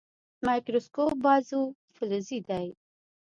مایکروسکوپ بازو فلزي دی.